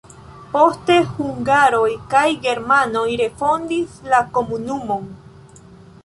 Poste hungaroj kaj germanoj refondis la komunumon.